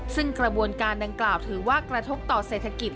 ซึ่งกระบวนการดังกล่าวถือว่ากระทบต่อเศรษฐกิจ